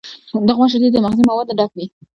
د غوا شیدې د مغذي موادو ډک دي.